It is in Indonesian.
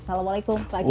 assalamualaikum pak kiai